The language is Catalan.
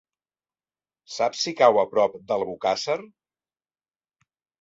Saps si cau a prop d'Albocàsser?